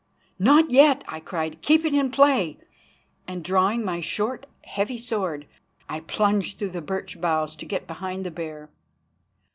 "Not yet!" I cried. "Keep it in play," and, drawing my short and heavy sword, I plunged through the birch boughs to get behind the bear.